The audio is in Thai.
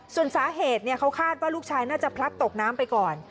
ส่วนสาเหตุเขาคาดว่าลูกชายน่าจะพลัดตกน้ำไปก่อน